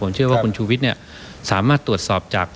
เชื่อว่าคุณชูวิทย์เนี่ยสามารถตรวจสอบจาก